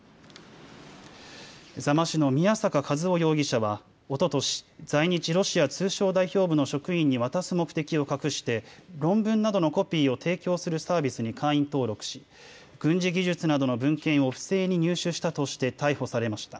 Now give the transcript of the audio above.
座間市の宮坂和雄容疑者はおととし在日ロシア通商代表部の職員に渡す目的を隠して論文などのコピーを提供するサービスに会員登録し軍事技術などの文献を不正に入手したとして逮捕されました。